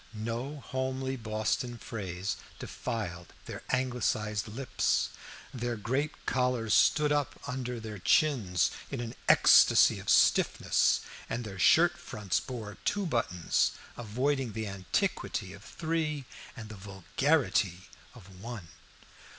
No homely Boston phrase defiled their anglicized lips, their great collars stood up under their chins in an ecstasy of stiffness, and their shirt fronts bore two buttons, avoiding the antiquity of three and the vulgarity of one.